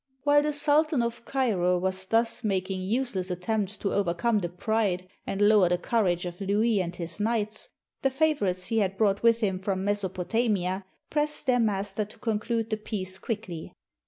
While the Sultan of Cairo was thus making useless attempts to overcome the pride and lower the courage of Louis and his knights, the favorites he had brought with him from Mesopotamia pressed their master to con clude the peace quickly.